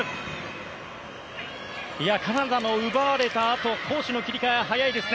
カナダの奪われたあと攻守の切り替え、早いですね。